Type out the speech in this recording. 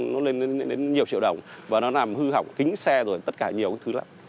nó lên đến nhiều triệu đồng và nó làm hư hỏng kính xe rồi tất cả nhiều cái thứ lại